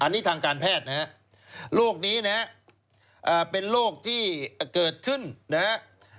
อันนี้ทางการแพทย์นะฮะโรคนี้นะฮะเป็นโรคที่เกิดขึ้นนะครับ